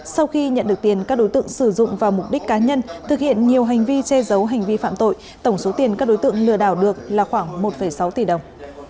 sau khi nhận được tiền các đối tượng sử dụng vào mục đích cá nhân thực hiện nhiều hành vi che giấu hành vi phạm tội tổng số tiền các đối tượng lừa đảo được là khoảng một sáu tỷ đồng